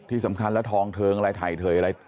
ที่สำคัญแล้วทองเทิงอะไรถ่ายเทยอะไร